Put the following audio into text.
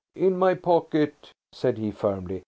"In my pocket," said he firmly.